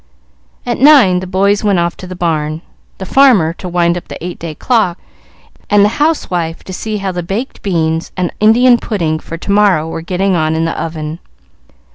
At nine the boys went off to the barn, the farmer to wind up the eight day clock, and the housewife to see how the baked beans and Indian pudding for to morrow were getting on in the oven.